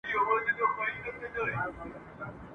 پرون چي مي خوبونه وه لیدلي ریشتیا کیږي ..